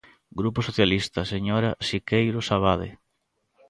Grupo Socialista, señora Siqueiros Abade.